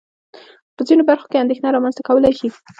په ځينو برخو کې اندېښنه رامنځته کولای شي.